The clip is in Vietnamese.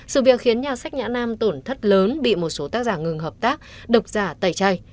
sự việc khiến nhà sách nhã nam tổn thất lớn bị một số tác giả ngừng hợp tác độc giả tẩy chay